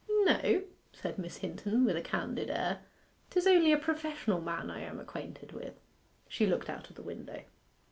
'No,' said Miss Hinton, with a candid air. ''Tis only a professional man I am acquainted with.' She looked out of the window.